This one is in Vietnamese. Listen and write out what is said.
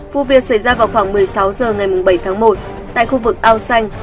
vụ việc xảy ra vào khoảng một mươi sáu h ngày bảy tháng một tại khu vực ao xanh